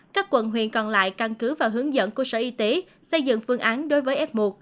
các quận huyện còn lại căn cứ và hướng dẫn của sở y tế xây dựng phương án đối với f một